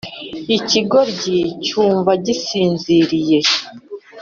Ikigoryi cyumva gisinziriye